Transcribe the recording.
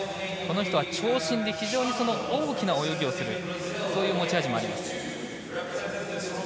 長身で大きな泳ぎをするそういう持ち味もあります。